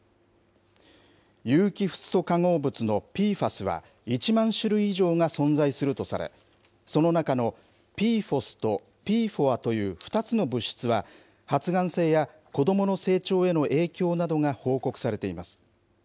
有機フッ素化合物のＰＦＡＳは１万種類以上が存在するとされ、その中のＰＦＯＳとＰＦＯＡという２つの物質は、発がん性や子どもの成長への影響などが報告されています。